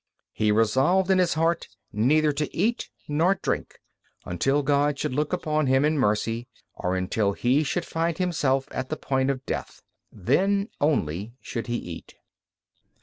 He resolved in his heart neither to eat nor drink until God should look upon him in mercy, or until he should find himself at the point of death; then only should he eat.